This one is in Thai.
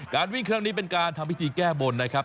วิ่งเครื่องนี้เป็นการทำพิธีแก้บนนะครับ